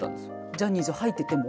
ジャニーズ入ってても？